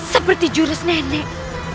seperti jurus nenek